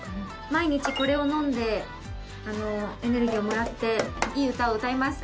毎日これを飲んであのエネルギーをもらっていい歌を歌います。